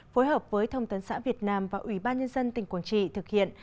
phối hợp với thông tấn xã việt nam và ủy ban nhân dân tỉnh quảng trị thực hiện